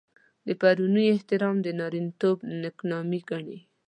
د پړوني احترام د نارينه توب نېکنامي ګڼي.